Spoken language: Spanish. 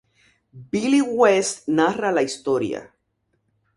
Billy West narra la historia.